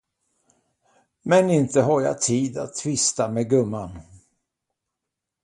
Men inte har jag tid att tvista med gumman.